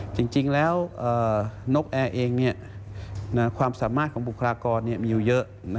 จริงแล้วนกแอร์เองความสามารถของบุคลากรมีอยู่เยอะ